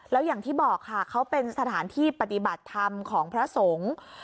แล้วอย่างที่บอกค่ะเขาเป็นสถานที่ปฏิบัติธรรมของพระสงฆ์